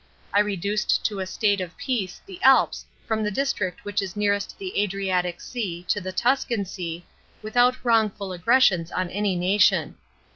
I reduced to a state of peace the Alps from the district which is nearest the Adriatic Sea to the Tu>can Sea, without wrongful aggressions on any nation.